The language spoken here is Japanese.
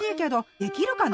できるかな？